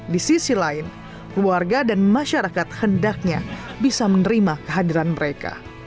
di sisi lain warga dan masyarakat hendaknya bisa menerima kehadiran mereka